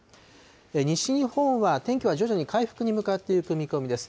西日本は天気は徐々に回復に向かっていく見込みです。